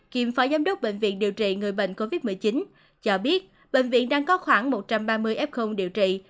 kiêm phó giám đốc bệnh viện điều trị người bệnh covid một mươi chín cho biết bệnh viện đang có khoảng một trăm ba mươi f điều trị